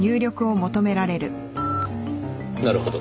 なるほど。